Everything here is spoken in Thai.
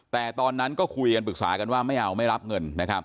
แต่ตอนนั้นก็คุยกันปรึกษากันว่าไม่เอาไม่รับเงินนะครับ